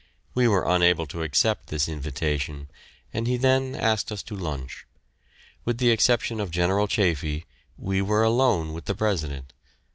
We were unable to accept this invitation, and he then asked us to lunch. With the exception of General Chaffee, we were alone with the President.